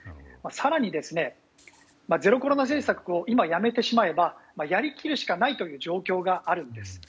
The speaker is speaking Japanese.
更に、ゼロコロナ政策を今やめてしまえばやり切るしかないという状況があるんです。